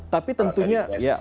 tapi tentunya ya